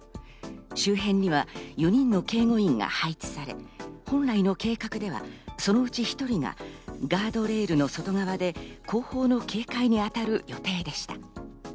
周辺には４人の警護員が配置され、本来の計画ではそのうち１人がガードレールの外側で後方の警戒に当たる予定でした。